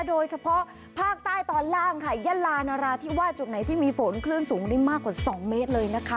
โดยเฉพาะภาคใต้ตอนล่างค่ะยะลานราธิวาสจุดไหนที่มีฝนคลื่นสูงได้มากกว่า๒เมตรเลยนะคะ